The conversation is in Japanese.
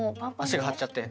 足が張っちゃって？